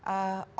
sangat jelas gitu